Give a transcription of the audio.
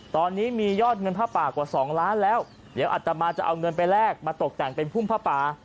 ตอนนี้มียอดเงินผ้าป่ากว่า๒ล้านแล้วเดี๋ยวอัตมาจะเอาเงินไปแลกมาตกแต่งเป็นพุ่มผ้าป่า